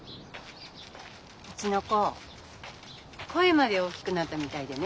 うちの子声まで大きくなったみたいでね。